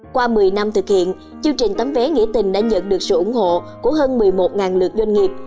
qua một mươi năm thực hiện chương trình tấm vé nghĩa tình đã nhận được sự ủng hộ của hơn một mươi một lượt doanh nghiệp